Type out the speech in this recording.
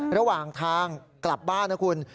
ระหว่างทางกลับบ้านนะคุณ